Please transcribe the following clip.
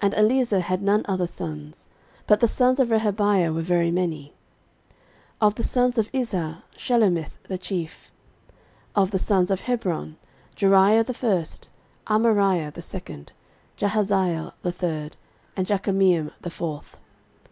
And Eliezer had none other sons; but the sons of Rehabiah were very many. 13:023:018 Of the sons of Izhar; Shelomith the chief. 13:023:019 Of the sons of Hebron; Jeriah the first, Amariah the second, Jahaziel the third, and Jekameam the fourth.